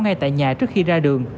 ngay tại nhà trước khi ra đường